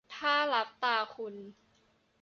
ถ้าลับตาคุณ